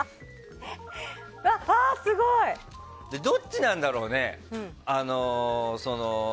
どっちなんだろうね。